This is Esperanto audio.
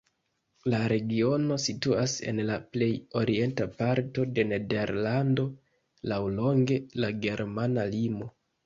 La regiono situas en la plej orienta parto de Nederlando, laŭlonge la germana limo.